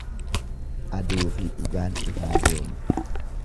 Aduufi dhugaan ifaa deemu.